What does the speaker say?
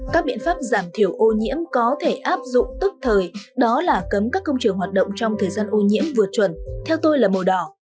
các biện pháp giảm thiểu ô nhiễm có thể áp dụng tức thời đó là cấm các công trường hoạt động trong thời gian ô nhiễm vượt chuẩn theo tôi là màu đỏ